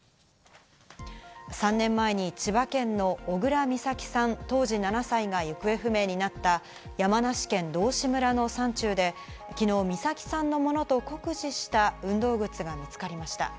３年前に千葉県の小倉美咲さん、当時７歳が行方不明になった山梨県道志村の山中で昨日、美咲さんのものと酷似した運動靴が見つかりました。